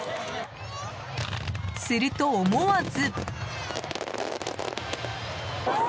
すると、思わず。